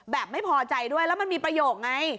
แบบไม่พอใจด้วยแล้วมันมีประโยคไง